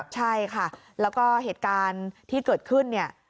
ใช่ค่ะแล้วก็เหตุการณ์ที่เกิดขึ้นเนี่ย